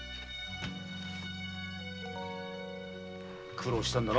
苦労したんだな。